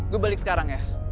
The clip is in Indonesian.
gue balik sekarang ya